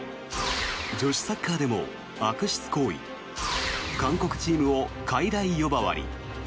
女子サッカーでも悪質行為韓国チームをかいらい呼ばわり。